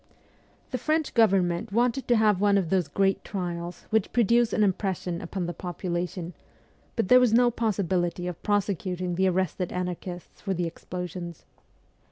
The French government wanted to have one of those great trials which produce an impression upon the population, but there was no possibility of prosecuting the arrested anarchists for the explosions.